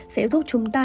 sẽ giúp chúng ta